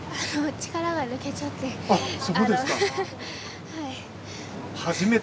力が抜けちゃって。